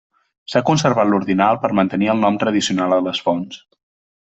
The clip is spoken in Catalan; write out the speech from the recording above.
S'ha conservat l'ordinal per mantenir el nom tradicional a les fonts.